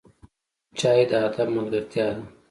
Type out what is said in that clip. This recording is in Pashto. چای د ادب ملګرتیا ده